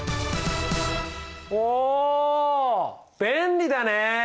お便利だね。